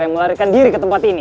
yang melarikan diri ke tempat ini